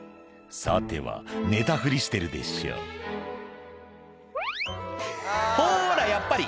さては寝たふりしてるでしょほらやっぱり！